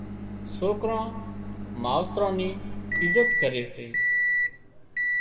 سوڪران ماوتران ني عزت ڪري سي